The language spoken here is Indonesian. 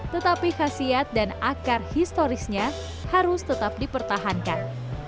tetapi khasiat dan akar historisnya harus tetap dipertahankan